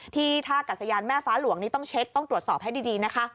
ที่ท่ากัศยานแม่ฟ้าหลวงนี่ต้องเช็คต้องตรวจสอบให้ดีนะคะ